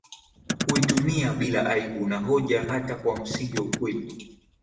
huitumia bila aibu na hoja hata kwa msingi wa ukweli